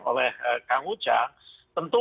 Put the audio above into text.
oleh kang ujang tentu